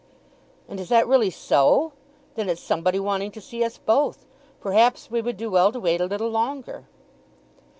"And is that really so! Then it's somebody wanting to see us both. Perhaps we would do well to wait a little longer."